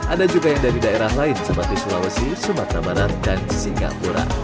ada juga yang dari daerah lain seperti sulawesi sumatera barat dan singapura